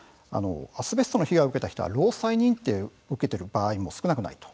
アスベストの被害を受けた人は労災認定を受けている場合も少なくないと。